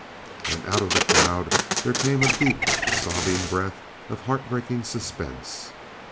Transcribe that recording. And out of the crowd there came a deep, sobbing breath of heartbreaking suspense.